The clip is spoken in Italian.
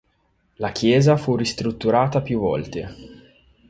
La chiesa fu ristrutturata più volte.